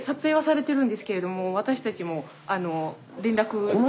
私たちも連絡先。